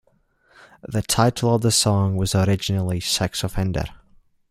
The title of the song was originally "Sex Offender".